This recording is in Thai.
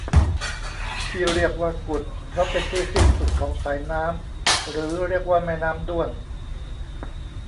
ที่เรียกว่ากุดเพราะเป็นที่สิ้นสุดของสายน้ำหรือเรียกว่าแม่น้ำด้วน